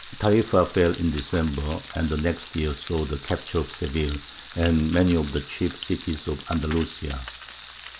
Tarīfa fell in December, and the next year saw the capture of Seville and many of the chief cities of Andalusia.